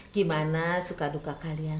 gimana suka duka kalian